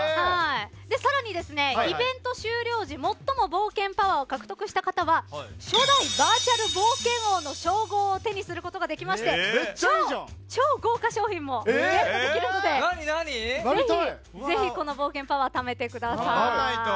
さらにイベント終了時最も冒険パワーを獲得した方は初代バーチャル冒険王の称号を手にすることができまして超豪華賞品もゲットできるのでぜひ、この冒険パワーためてください。